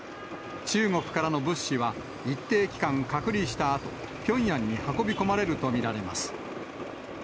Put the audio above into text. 中国からの物資は一定期間、隔離したあと、ピョンヤンに運び込まれると見られます。